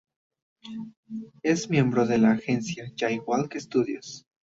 Es miembro de la agencia "Jay Walk Studios".